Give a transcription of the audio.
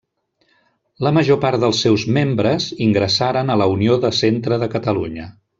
La major part dels seus membres ingressaren a la Unió de Centre de Catalunya.